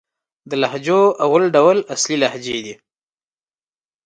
د لهجو اول ډول اصلي لهجې دئ.